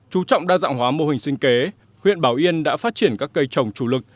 chú trọng đa dạng hóa mô hình sinh kế huyện bảo yên đã phát triển các cây trồng chủ lực